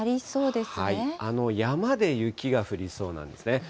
山で雪が降りそうなんですね。